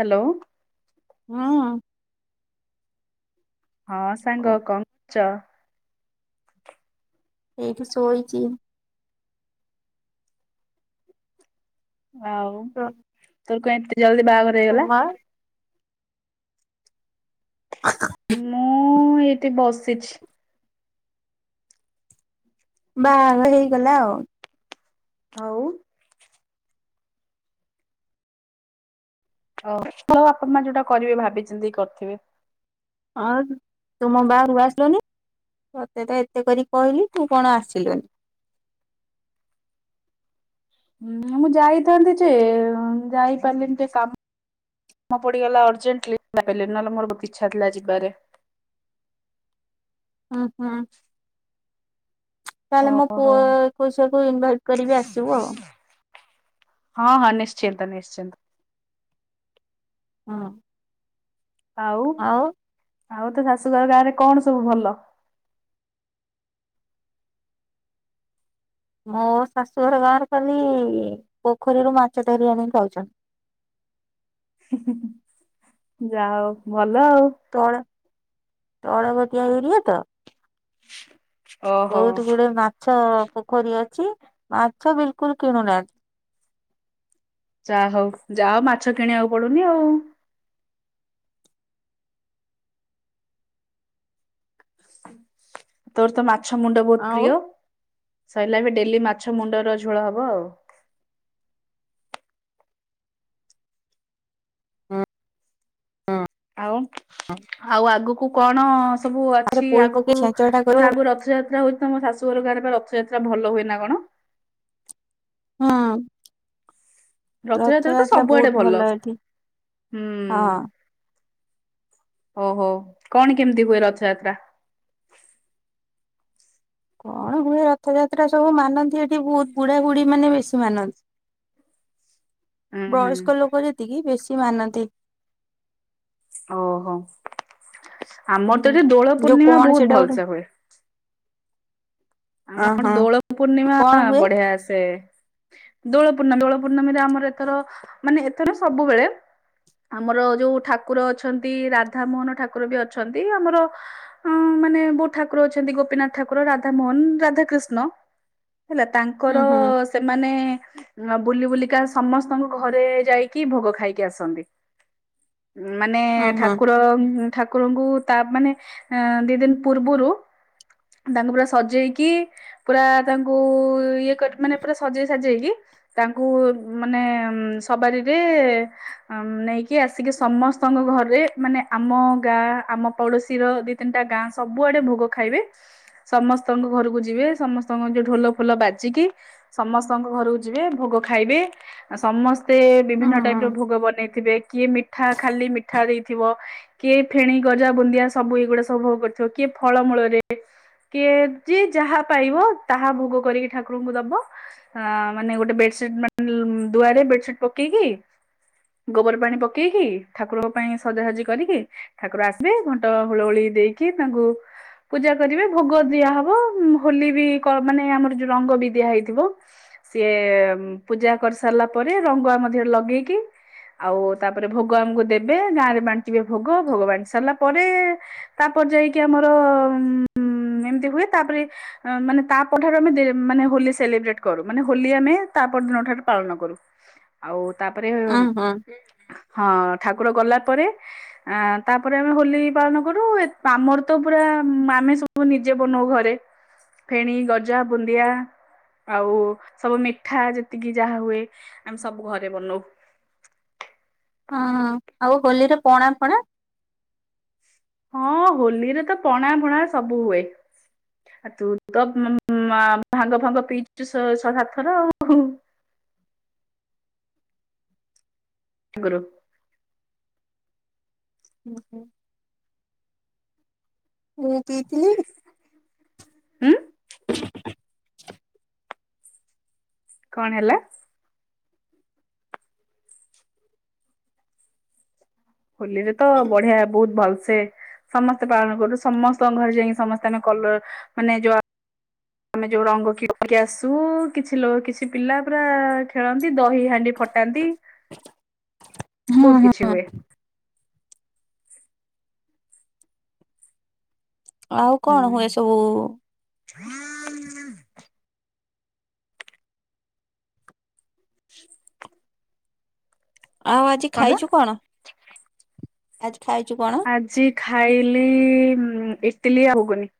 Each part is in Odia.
ହାଲୋ। ହଁ। ହଁ ସାଙ୍ଗ କଣ କରୁଛ? ଏଇଠି ଶୋଇଛିି। ଆଉ ତ ତୋର କଣ, ଏତେ ଜଲଦି ବାହାଘର ହେଇଗଲା। ତୁମର ମୁଁ ଏଇଠି ବସିଛି। ବାହାଘର ହେଇଗଲା ଆଉ। ଆଉ। ଓ ହ ବାପା ମା ଯୋଉଟା କରିବେ ଭାବିଛନ୍ତିନ୍ତି କରିଥିବେ। ହଁ ତୁମ ବାହାଘରକୁ ଆସିଲନି? ତତେ ତ ଏତେ କରି କହିଲି ତୁ କଣ ଆସିଲୁନି? [inaudible] ହୁଁ ମୁଁ ଯାଇଥାନ୍ତି ଯେ ଯାଇପାରିଲିନି ଟିକେ କାମ ମ ପଡ଼ିଗଲା ଅର୍ଜେଣ୍ଟଲି ନହେଲେ ମୋର ବହୁତ ଇଛା ଥିଲା ଯିବାରେ। [inaudible] ହୁଁ ହୁଁ। ତାହେଲେ ମୋ ଓହୋ ପୁଅ ହଁ ଏକୋଇଶା କୁ ଇନଭାଇଟ୍ କରିବି ଆସିବୁ ଆଉ। ହଁ ହଁ ନିଶ୍ଚିନ୍ତ ନିଶ୍ଚିନ୍ତ। ହଁ। ଆଉ ଆଉ ତ ଶାଶୁଘରେ ଗାଁ ରେ କଣ ସବୁ ଭଲ? ମୋ ଶାଶୁଘର ଗାଁ ଖାଲି ପୋଖରୀରୁ ମାଛ ଧରି ଆଣି ଖାଉଛନ୍ତି। ହେଁ ହେଁ ଯା ହଉ ଭଲ ଆଉ। ତଳ ତଳ [unintelligible] ତ ଓହୋ ବହୁତ ଗୁଡେ ମା ମାଛ ପୋଖରୀ ଅଛି ମାଛ ବିଲକୁଲ କିଣୁନାହାନ୍ତି। ଯା ହଉ ଯା ମାଛ କିଣିବାକୁ ପଡୁନି ଆଉ। ତୋର ତ ମାଛ ମୁଣ୍ଡ ବହୁତ ଆଉ ପ୍ରିୟ। ସରିଲା ଏବେ ଡେଲି ମାଛ ମୁଣ୍ଡର ଝୋଳ ହବ ଆଉ। ହୁଁ। ଆଉ ଆଉ ଆଗକୁ କଣ ସବୁ ରେ ଅଛି ପୋଇ ପକେଇ ଆଗକୁ ଛେଞ୍ଚଡା ତ କରିବ ଆଗକୁ ରଥଯାତ୍ରା ହଉଛି ତମ ଶାଶୁ ଘର ଗାଁରେ ରଥଯାତ୍ରା ଭଲ ହୁଏ ନା କଣ? ହଁ। ରଥଯାତ୍ରା ତ ସବୁଆଡେ ଭଲ, ଏଠି ହଁ ହୁଁ। ଓହୋ କଣ କେମିତି ହୁଏ ରଥଯାତ୍ରା। କଣ ହୁଏ ରଥଯାତ୍ରା ସବୁ ମାନନ୍ତି ଏଠି ବହୁତ ବୁଢାବୁଢ଼ୀମାନେ ବେଶି ମାନନ୍ତି। [inaudible] ହୁଁ ହୁଁ ବୟସ୍କ ଲୋକ ଯେତିକି ବେଶି ମାନନ୍ତି। ଓହୋ ଆମର ତ ହୁଁ ଏଠି ଦୋଳ ଯୋଉ ପୂର୍ଣ୍ଣିମା କଣ ବହୁତ ସେଇଟା ଗୋଟେ ଭଲସେ ହୁଏ। ଅ ଆମର ହଁ ଦୋଳ ପୂର୍ଣ୍ଣିମା କଣ ହୁଏ ବଢିଆ ସେ ଦୋଳ ପୂର୍ଣ୍ଣମ ଦୋଳ ପୂର୍ଣ୍ଣମୀରେ ଆମର ଏଥର ମାନେ ଏଥର ସବୁବେଳେ ଆମର ଯୋଉ ଠାକୁର ଅଛନ୍ତି ରାଧ ମୋହନ ଠାକୁର ବି ଅଛନ୍ତି ଆମର ଅ ମାନେ ବହୁ ଠାକୁର ଅଛନ୍ତି ଗୋପୀନାଥ ଠାକୁର ରାଧାମୋହନ ରାଧାକୃିଷ୍ଣ ହେଲା ତାଙ୍କର ହୁଁ ହୁଁ ସେମାନେ ବୁଲି ବୁଲିକା ସମସ୍ତଙ୍କୁ ଘରେ ଯାଇକି ଭୋଗ ଖାଇକି ଆସନ୍ତି। ମାନେ ହୁଁ ହୁଁ ଠାକୁର ଠାକୁରଙ୍କୁ ତା ମାନେ ଦିଦିନ ପୂର୍ବରୁ ତାଙ୍କ ପ ସଜେଇକି ପୁରା ତାଙ୍କୁ ଇଏ କରି ମାନେ ପୁରା ସଜେଇ ସାଜେଇକି ତାଙ୍କୁ ମାନେ ସବାରିରେ ନେଇକି ଆସିକି ସମସ୍ତଙ୍କ ଘରେ ମାନେ ଆମ ଗାଁ ଆମ ପଡୋଶୀ ର ଦି ତିନିଟା ଗାଁ ସବୁଆଡେ ଭୋଗ ଖାଇବେ ସମସ୍ତଙ୍କ ଘରକୁ ଯିବେ ସମସ୍ତଙ୍କ ଯୋଉ ଢୋଲ ଫୋଲ ବାଜିକି ସମସ୍ତଙ୍କ ଘରକୁ ଯିବେ ଭୋଗ ଖାଇ ଖାଇବେ ସମସ୍ତେ ହୁଁ ବିଭିନ୍ନ ହୁଁ ଟାଇପର ଭୋଗ ବନେଇଥିବେ। କିଏ ମିଠା ଖାଲି ମିଠା ଦେଇଥିବ କିଏ ଫେଣି ଗଜା ବୁନ୍ଦିଆ ସବୁ ଏଇଗୁଡା ସବୁ ଭୋଗ କରିଥିବ କିଏ ଫଳମୂଳରେ କିଏ ଯିଏ ଯାହା ପାଇବ ତାହା ଭୋଗ କରିକି ଠାକୁରଙ୍କୁ ଦବ ମାନେ ଗୋଟେ ବେଡସିଟ୍ ମାନେ ଦୁଆରେ ବେଡସିଟ ପକେଇକି ଗୋବର ପାଣି ପକେଇକି ଠାକୁରଙ୍କ ପାଇଁ ସଜାସଜି କରିକି ଠାକୁର ଆସିବେ ଘଣ୍ଟ ହୁଳ ହୁଳି ଦେଇକି ତାଙ୍କୁ ପୂଜା କରିବେ ଭୋଗ ଦିଆ ହବ ହୋଲି ବି କ ମାନେ ଆମର ଯୋଉ ରଙ୍ଗ ବି ଦିଆ ହେଇଥିବ ସିଏ ପୂଜା କରିସାରିଲା ଲା ପରେ ରଙ୍ଗ ଆମ ଦେହରେ ଲଗେଇକି ଆଉ ତାପରେ ଭୋଗ ଆମକୁ ଦେବେ ଗାଁ ରେ ବାଣ୍ଟିବେ ଭୋଗ ଭୋଗ ବାଣ୍ଟି ସାରିଲା ପରେ ତାପ୍ ପରେ ଯାଇକି ଆମର ମେ ଏମିତି ହୁଏ। ତାପରେ ଅ ମାନେ ତା ପରଠାରୁ ଆମେ ଦେ ମାନେ ହୋଲି ସେଲିବ୍ରେଟ୍ କରୁ ମାନେ ହୋଲି ଆମେ ତା ପର୍ ଦିନଠାରୁ ପାଳନ କରୁ ଆଉ ତାପରେ ଉଁ ହୁଁ ହଁ, ଠାକୁର ଗଲା ପରେ ଆ ତାପରେ ଆମେ ହୋଲି ପାଳନ କରୁ ଆମର ତ ପୁରା ଆ ଆମେ ସବୁ ନିଜେ ବନଉ ଘରେ ଫେଣି, ଗଜା, ବୁନ୍ଦିଆ ଆଉ ସବୁ ମିଠା ଯେତିକି ଯାହା ହୁଏ ଆମେ ସବୁ ଘରେ ବନଉ। [inaudible] ହଁ ଆଉ ହୋଲିରେ ପଣା ଫଣା? ହଁ, ହୋଲିରେ ତ ପଣା ଫଣା ସବୁ ହୁଏ। ଆ ତୁ ତ ମା ଭାଙ୍ଗ୍ ଫାଙ୍ଗ୍ ପିଇଛୁ ଶହେ ଶହେ ସାତ ଥର ଆଉ। ଗୁରୁ। ହୁଁ ହୁଁ। ମୁଁ ପିଇଥିଲି। ହୁଁ? [unintelligible] କ'ଣ ହେଲା? ହୋଲିରେ ତ ବଢିଆ ବହୁତ୍ ଭଲସେ ସମସ୍ତେ ପାଳନ କରୁୁ। ସମସ୍ତଙ୍କ ଘରେ ଯାଇକି ସମସ୍ତେ ଆମେ କଲର ମାନେ ଯଉ ଆମେ ଯୋଉ ରଙ୍ଗ କି [unintelligible] କିଣିକି ଆସୁ କିଛି ଲ କିଛି ପିଲା ପୁରା ଖେଳନ୍ତି ଦହି ହାଣ୍ଡି ଫ୍ ଟାନ୍ତି ହୁଁ ବହୁତ କିଛି ହୁଁ ହୁଏ। ଆଉ କ'ଣ ହୁଁ ହୁଏ ସବୁ? [unintelligible] [unintelligible] ଆଉ ଆଜି ଖାଇଛୁ କ'ଣ? ଆଜି ଖାଇଛୁ କଣ ଆଜି ଖାଇଲି ଇଟିଲି ଆଉ ହୁଗୁନି।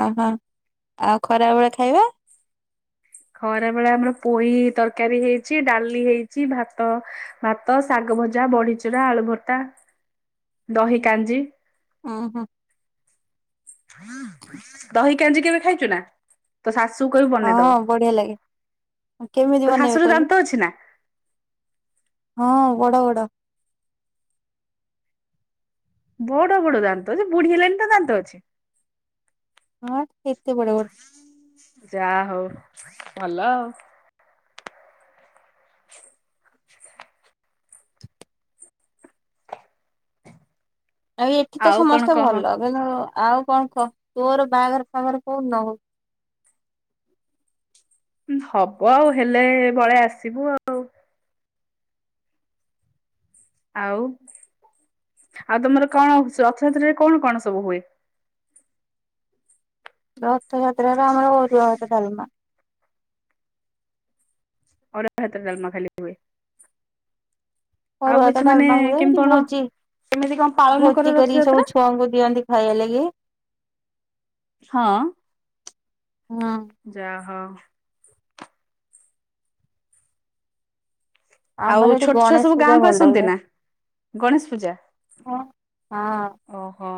ଓ ହୋ, ଆଉ ଖରା ବେଳେ ଖାଇବା? ଖରା ବେଳେ ଆମର ପହି ତରକାରୀ ହେଇଛି, ଡାଲି ହେଇଛି, ଭାତ ଭାତ ଶାଗ୍ ଭଜା, ବଡ଼ିଚୁରା, ଆଳୁ ଭର୍ତ୍ତା, ଦହି କାଞ୍ଜି। ହୁଁ ହୁଁ। ଦହି କାଞ୍ଜି କେବେ ଖାଇଛ ନା? ତ ସାସ୍ ହଁ, ବଢିଆ ଲାଗେ। କେମିତି ତୋ ବନେଇବେ ଶାଶୁର କହିଲୁ? ଦାନ୍ତ ଅଛି ନା ହଁ, ବଡ ବଡ। ବଡ ବଡ ଦାନ୍ତ ଯେ ବୁଢୀ ହେଲେଣି ତା ଦାନ୍ତ ଅଛି? ହଁ କେତେ ବଡ଼ ବଡ଼। ଯାହା ହଉ ଭଲ। ଆରେ ଏଠି ତ ଆଉ କଣ ସମସ୍ତେ କହ ଭଲ କିନ୍ତୁ ଆଉ କଣ କହ ତୋର ବାହାଘର ଫାଘର କୋଉ ଦିନ ହବ? ହବ ଆଉ ହେଲେ ପଳେଇ ଆସିବୁ ଆଉ। ଆଉ? ଆଉ ତମର କ'ଣ ରଥଯାତ୍ରାରେ କ'ଣ କ'ଣ ସବୁ ହୁଏ? ରଥଯାତ୍ରାରେ ଆମର ଅରୁଆଭାତ ଡାଲମା। ଅରୁଆଭାତ ଡାଲମା ଖାଲି ହୁଏ। ଆଉ ଅରୁଆଭାତ କିଛି ମାନେ ଡାଲମା ହୁଏ କେମିତି କି କଣ ଭୋଜି? କେମିତି କଣ ପାଳନ କର ଭୋଜି କରି ରଥଯାତ୍ରା ସବୁ ଛୁଆଙ୍କୁ ଦିଅନ୍ତି ଖାଇବା ଲାଗି। ହଁ? ହୁଁ। ଯା ହୋ ଆଉ ଆମର ଏଠି ଛୋଟ ଛୁଆ ଗଣେଶ ସବୁ ପୂଜା ଗାଁକୁ ଭଲ ଆସନ୍ତି ହୁଏ। ନା? ଗଣେଶ ପୂଜା ହଁ ଓହୋ।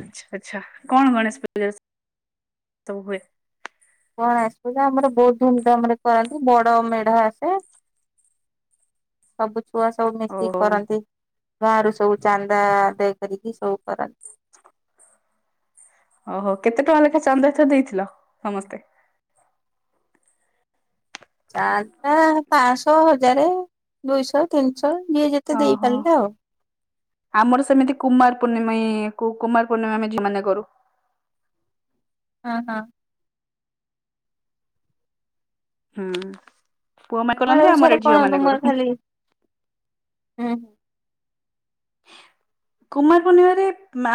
ଆଚ୍ଛା, ଆଚ୍ଛା, କଣ ଗଣେଶ ପୂଜା ରେ ସ-ସବୁ ହୁଏ? ଗଣେଶ ପୂଜା ଆମର ବହୁତ ଧୁମଧାମ୍ ରେ କରନ୍ତି। ବଡ ମେଢ ଆସେ। ସବୁ ଛୁଆ ସବୁ ମିଶିକି ଓହୋ କରନ୍ତି। ଗାଁ ରୁ ସବୁ ଚାନ୍ଦା ଆଦାୟ କରିକି ସବୁ କରନ୍ ଓହୋ, କେତେ ଟଙ୍କା ଲେଖା ଚାନ୍ଦା ଏଥର ଦେଇଥିଲ ସମସ୍ତେ? ଚାନ୍ଦା ପାଁଶହ, ହଜାରେ, ଦୁଇଶହ, ତିନିଶହ। ଯିଏ ଯେତେ ଦେଇପାରିଲା ଆଉ। ଆମର ସେମିତି କୁମାର ପୂର୍ଣ୍ଣିମେ ଏ କୁ-କୁମାର ପୂର୍ଣ୍ଣିମା ଆମେ ଝିଅ ମାନେ କରୁ। ହଁ, ହଁ। ହଁ। ମାଳବସାରେ କଣ ତୁମୋର ଖାଲି ଏଁ [unintelligible] କୁମାର ପୂର୍ଣ୍ଣିମା ରେ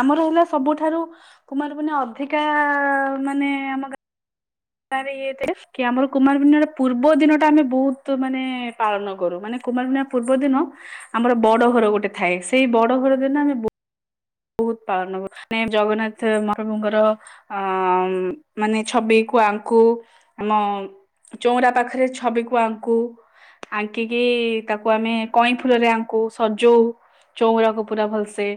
ଆମର ହେଲା ସବୁଠାରୁ କୁମାର ପୂର୍ଣ୍ଣିମା ଅଧିକା ମାନେ ନେ ଆମ ଗା ତାର ଇଏ ଥିରେ କି ଆମର କୁମାରପୂର୍ଣ୍ଣିମାରେ ପୂର୍ବ ଦିନ ଟା ଆମେ ବହୁତ ମାନେ ପାଳନ କରୁ। ମାନେ କୁମାରପୂର୍ଣ୍ଣିମା ପୂର୍ବ ଦିନ ଆମର ବଡ ଘର ଗୋଟେ ଥାଏ। ସେଇ ବଡ ଘର ଦିନ ଆମେ ବୁ ବହୁତ ପାଳନ କରୁ। ମାନେ ଜଗନ୍ନାଥ ମହାପ୍ରଭୁଙ୍କର ଅଁ, ଉଁ, ମାନେ ଛବି କୁ ଆଙ୍କୁ। ଆମ ଚଉଁରା ପାଖରେ ଛବିକୁ ଆଙ୍କୁ। ଆଙ୍କିକି ତାକୁ ଆମେ କଇଁ ଫୁଲରେ ଆଙ୍କୁ, ସଜଉ। ଚଉଁରାକୁ ପୁରା ଭଲସେ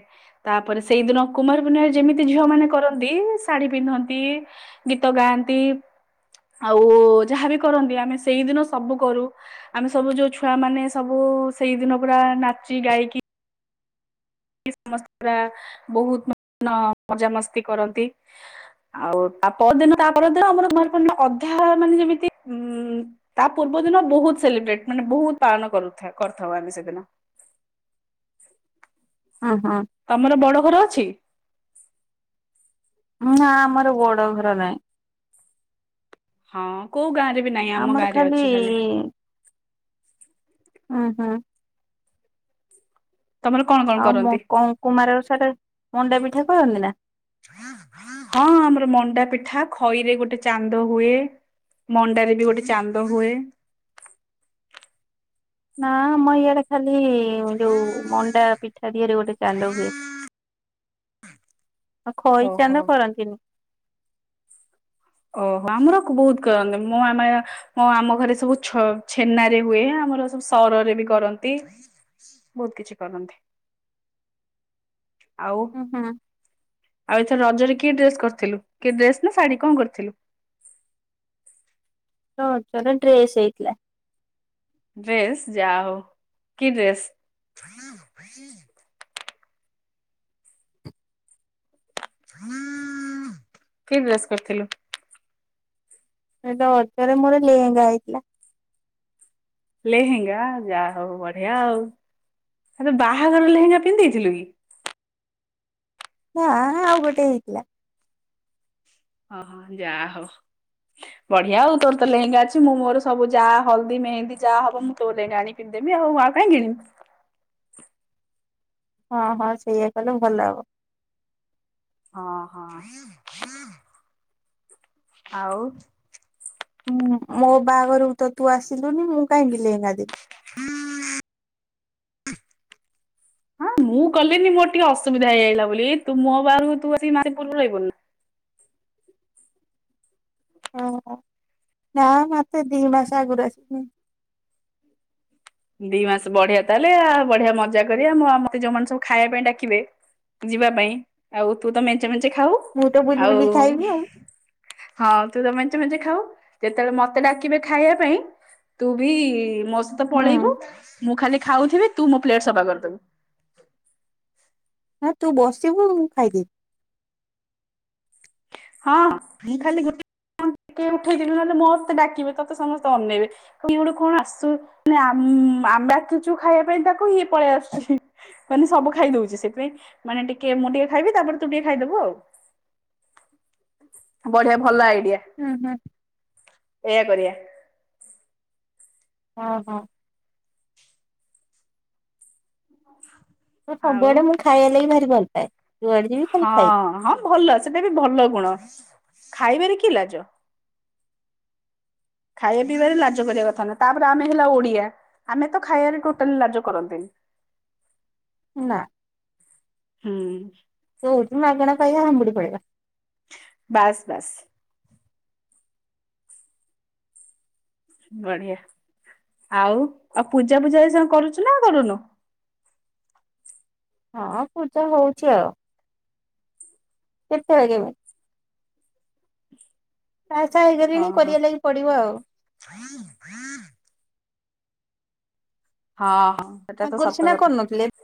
ତାପରେ ସେଇଦିନ କୁମାରପୂର୍ଣ୍ଣିମା ଯେମିତି ଝିଅମାନେ କରନ୍ତି ଶାଢୀ ପିନ୍ଧନ୍ତି ଗୀତ ଗାନ୍ ନ୍ତି। ଆଉ ଯାହାବି କରନ୍ତି ଆମେ ସେଇଦିନ ସବୁ କରୁ ଆମେ ସବୁ ଯୋଉ ଛୁଆମାନେ ସବୁ ଉ ସେଇଦିନ ପୁରା ନାଚି ଗାଇକି ସମସ୍ତେ ପୁରା ବହୁତ ମ ମଜାମସ୍ତି କରନ୍ତି। ଆଉ ତା ପରଦିନ ତା ପରଦିନ ଆମର କୁମାରପୂର୍ଣ୍ଣିମା ଅଧା ମାନେ ଯେମିତି ଉଁ ତା ପୂର୍ବ [unintelligible] ଦିନ ବହୁତ ସେଲିବ୍ରେଟ ମାନେ ବହୁତ ପାଳନ କରୁଥା କରୁଥାଉ ଆମେ ସେଦିନ। [inaudible] ଉଁ ହୁଁ ତମର ବଡ ଘର ଅଛି। ନା ଆମର ବଡ ଘର ନାହିଁ। ହଁ କୋଉ ଗାଁ ରେ ବି ନାହିଁ ଆମ ଗାଁରେ ଅଛି ଖାଲି ଉହୁଁ। ତମର କଣ କଣ ଆଉ ମୁ କରନ୍ତି? କଣ କୁମାର ଓଷାରେ ମଣ୍ଡା ପିଠା କରନ୍ତି ନା ହଁ ଆମର ମଣ୍ଡା ପିଠା ଖଇରେ ଗୋଟେ ଚାନ୍ଦ ହୁଏ। ମଣ୍ଡାରେ ବି ଗୋଟେ ଚାନ୍ଦ ହୁଏ। ନା ଆମ ଇଆଡେ ଖାଲି ଯୋଉ ମଣ୍ଡା ପିଠା ଧିଅରେ ଗୋଟେ ଚାନ୍ଦ ହୁଏ। [inaudible] ଆଉ ଖଇ ଓହୋ ଚାନ୍ଦ କରନ୍ତିନି ଓହୋ ଆମର ବହୁତ କରନ୍ତି ମୁଁ ଆମେ ମୋ ଆମ ଘରେ ସବୁ ଛ ଛେନାରେ ହୁଏ। ଆମର ସବୁ ସରରେ ବି କରନ୍ତି ବହୁତ କିଛି କରନ୍ତି। ଆଉ ହୁଁ ହୁଁ ଆଉ ଏଥର ରଜରେ କି ଡ୍ରେସ କରିଥିଲୁ କି ଡ୍ରେସ ନା ଶାଢୀ କଣ କରି ଥିଲୁ। ରଜରେ ଡ୍ରେସ୍ ହେଇଥିଲା। ଡ୍ରେସ୍ ଯାହୋଉ କି ଡ୍ରେସ୍? [inaudible] କି ଡ୍ରେସ୍ କରିଥିଲୁ? ରଜରେ ମୋର ଲେହେଙ୍ଗା ହେଇଥିଲା। ଲେହେଙ୍ଗା ଯାହା ହୋଉ ବଢିଆ ଆଉ ଆ ତୁ ବାହାଘର ଲେହେଙ୍ଗା ପିନ୍ଧି ଦେଇଥିଲୁ କି? ନାଁ ଆଉ ଗୋଟେ ହେଇଥିଲା। ଓହୋ ଯା ହୋ। ବଢିଆ ଆଉ ତୋର ତ ଲେହେଙ୍ଗା ଅଛି ମୁଁ ମୋର ସବୁ ଯା ହଳଦୀ ମେହେନ୍ଦୀ ଯା ହବ ମୁଁ ତୋ ଲେହେଙ୍ଗା ଆଣି ପିନ୍ଧି ଦେବି ଉ ଆଉ କାଇଁ କିଣିବି ହଁ ହଁ ସେଇଆ କଲେ ଭଲ ହବ। ହଁ ହଁ [inaudible] ଆଉ। ଉଁ ମୋ ବାହାଘରକୁ ତ ତୁ ଆସିଲୁନି ମୁଁ କାହିଙ୍କି ଲେହେଙ୍ଗା ଦେବି [inaudible] ହଁ? ମୁଁ ଗଲିିନି ମୋର ଟିକେ ଅସୁବିଧା ହେଇଯାଇଥିଲା ବୋଲି ତୁ ମୋ ବାହାଘରୁ ତୁ ଆ [unintelligible] ରହିବୁନୁ ନା ହଁ ନା ମତେ ଦିଇ ମାସ ଆଗରୁ ଆସିମି ଦିଇ ମାସ ବଢିଆ ତାହେଲେ ଆଉ ବଢିଆ ମଜା କରିବା ମତେ ଯୋଉମାନେ ସବୁ ଖାଇବା ପାଇଁ ଡାକିବେ ଯିବା ପାଇଁ ଆଉ ତୁ ତ ମେ ମେଞ୍ଚେ ଖାଉ ମୁଁ ତ ବୁଲି ଆଉ ବୁଲି ଖାଇବି ଆଉ। ହଁ ତୁ ତ ମେ ମେଞ୍ଚେ ମେଞ୍ଚେ ଖାଉ ଯେତେବେଳେ ମତେ ଡାକିବେ ଖାଇବା ପାଇଁ ତୁ ବି ମୋ ସ ହୁଁ ପଳେଇବୁ ମୁଁ ଖାଲି ଖାଉଥିବି ତୁ ମୋ ପ୍ଲେଟ ସଫା କରିଦବୁ। ହଁ ତୁ ବସିିବୁ ମୁଁ ଖାଇଦେବି ହଁ ମୁଁ ଖାଲି ଗୋଟେ ଟିକେ ଉଠେଇଥିଲୁ ନହେଲେ ମତେ ଡାକିବେ ତତେ ସମସ୍ତେ ଅନେଇବେ କିଏ ଗୋଟେ କଣ ଆସୁ ନି ଆମ୍ ଆମେ ବାକି ଅଛୁ ଖାଇବା ପାଇଁ ତାକୁ ଇଏ ପଳେଇ ଆସୁଛି ମାନେ ସବୁ ଖାଇ ଦଉଛି ସେଥିପାଇଁ ମାନେ ଟିକେ ମୁଁ ଟିକେ ଖାଇବି ତାପରେ ତୁ ଟିକେ ଖାଇଦବୁ ଆଉ ବଢିଆ ଭଲ ଆଇ ଉହୁଁ। ଏଇଆ କରିବା ହଁ ହଁ ସେ ଆଉ ସବୁଆଡେ ମୁଁ ଖାଇଆ ଲାଗି ଭାରି ଭଲ ପାଏ। ଯୁଆଡେ ଯିବି ଖାଲି ଖାଇବି। ହଁ ହଁ ଭଲ ସେଟା ବି ଭଲ ଗୁଣ, ଖାଇବାରେ କି ଲାଜ। ଖାଇବା ପିଇବାରେ ଲାଜ କରିଆ କଥା ନୁହେଁ। ତାପରେ ଆମେ ହେଲା ଓଡିଆ, ଆମେ ତ ଖାଇଆରେ ଟୋଟାଲି ଲାଜ କରନ୍ତିନି। ନା। [inaudible] ହୁଁ। ଯୋଉଠି ମାଗଣା ପାଇବା, ହାଂବୁଡି ପଡିବା। ବାସ୍ ବାସ୍। ବଢିଆ, ଆଉ ଆଉ ପୂଜା ଫୂଜା ଏସୁଣା କରୁଛୁ ନା? ଆଉ କରୁନୋଉଁ? ହଁ ପୂଜା ହୋଉଚି ଆଉ, [inaudible] କେତେବେଳେ କେବେ। ବାହାସାଆ ହେଇସାଇଲିଣି ଓହୋ ହଁ କରିଆ ଲାଗି ପଡିବ ଆଉ। [inaudible] ହଁ ହଁ। ଆଗରୁ ସିନା କରୁନଥିଲେ ଏବ୍